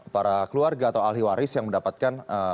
para keluarga atau ahli waris yang mendapatkan